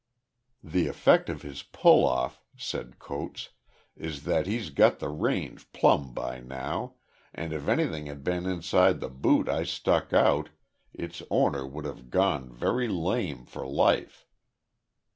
"The effect of his pull off," said Coates, "is that he's got the range plumb by now, and if anything had been inside the boot I stuck out, its owner would have gone very lame for life.